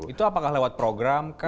itu apakah lewat program kah